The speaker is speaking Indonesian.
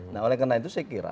nah oleh karena itu saya kira